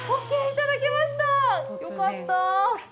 よかった！